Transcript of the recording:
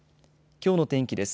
きょうの天気です。